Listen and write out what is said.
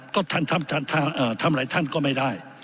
ก็ท่านทำหลายท่านก็ไม่ได้